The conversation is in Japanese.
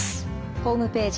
ホームページ